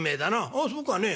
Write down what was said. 「ああそうかね。